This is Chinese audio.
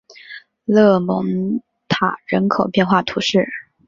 勒蒙塔人口变化图示